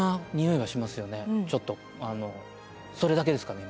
ちょっとそれだけですかね